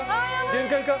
限界か？